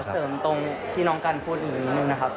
เสริมตรงที่น้องกันพูดอีกนิดนึงนะครับ